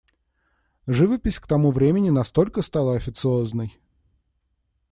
Живопись к тому времени настолько стала официозной.